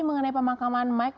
mengenai pemakaman mike